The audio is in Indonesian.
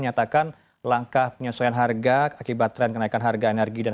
menyatakan langkah penyesuaian harga akibat tren kenaikan harga energi dan